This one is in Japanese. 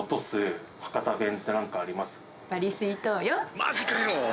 マジかよ！